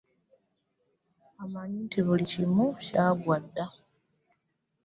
Amanyi nti buli kimu kyaggwa dda.